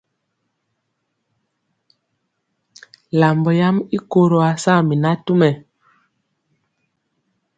Lambɔ yam i koro ya saa mi natumɛ.